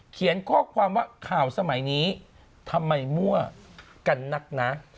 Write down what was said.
เขียนข้อความว่าข่าวสมัยนี้ทำไมมั่วกันนักนะ